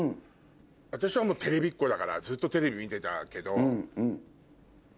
私はテレビっ子だからずっとテレビ見てたけど。